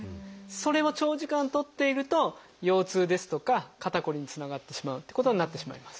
それを長時間とっていると腰痛ですとか肩こりにつながってしまうっていうことになってしまいます。